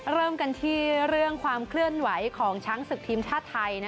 เริ่มกันที่เรื่องความเคลื่อนไหวของช้างศึกทีมชาติไทย